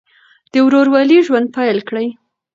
د ورورولۍ ژوند پیل کړئ.